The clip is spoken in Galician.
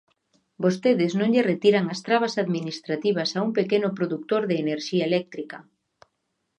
Vostedes non lle retiran as trabas administrativas a un pequeno produtor de enerxía eléctrica.